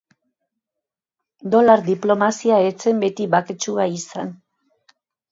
Dolar diplomazia ez zen beti baketsua izan.